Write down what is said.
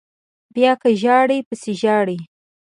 بیا که ژاړئ پسې ژاړئ